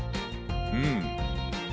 うん。